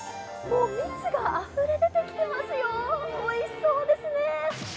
蜜があふれ出てきてますよ、おいしそうですね。